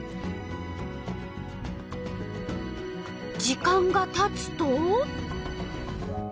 時間がたつと。